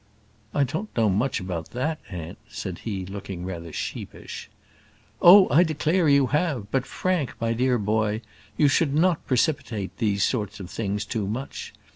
"I don't know much about that, aunt," said he, looking rather sheepish. "Oh, I declare you have; but, Frank, my dear boy, you should not precipitate these sort of things too much.